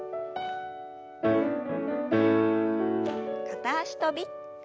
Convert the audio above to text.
片脚跳び。